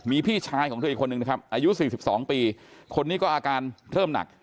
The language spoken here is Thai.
มีพี่ชายของเธออีกคนนึงนะครับอายุ๔๒ปีคนนี้ก็อาการเริ่มหนัก